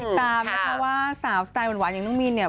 ตามนะคะว่าสาวสไตล์หวานอย่างน้องมินเนี่ย